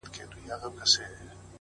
پوهه د انتخابونو دروازې زیاتوي؛